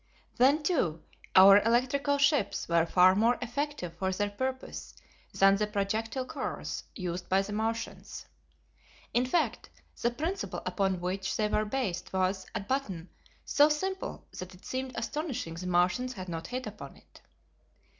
Then, too, our electrical ships were far more effective for their purpose than the projectile cars used by the Martians. In fact, the principle upon which they were based was, at bottom, so simple that it seemed astonishing the Martians had not hit upon it.